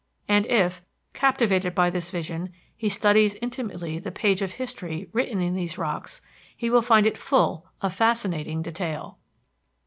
And if, captivated by this vision, he studies intimately the page of history written in these rocks, he will find it full of fascinating detail.